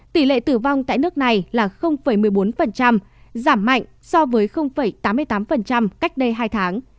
tỷ lệ tử vong tại nước này là một mươi bốn giảm mạnh so với tám mươi tám cách đây hai tháng